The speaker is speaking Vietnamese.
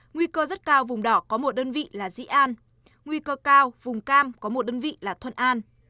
nguy cơ rất cao vùng đỏ có một đơn vị là dĩ an nguy cơ cao vùng cam có một đơn vị là thuận an